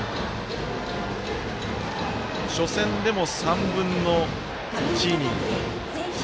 初戦でも３分の１イニング。